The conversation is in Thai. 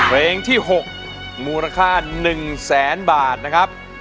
เพลงที่๖๐๐มูลค่าหนึ่งแสนบาทนะครับ